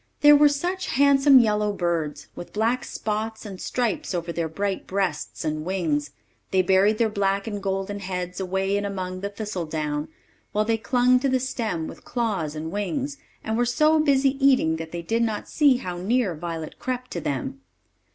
There were such handsome yellow birds, with black spots and stripes over their bright breasts and wings. They buried their black and golden heads away in among the thistle down, while they clung to the stem with claws and wings, and were so busy eating that they did not see how near Violet crept to them.